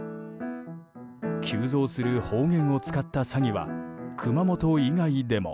急増する方言を使った詐欺は熊本以外でも。